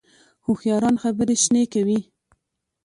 هوښیاران خبرې شنې کوي